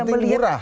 yang penting murah